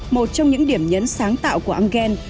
một trong những điểm nhấn sáng tạo của engel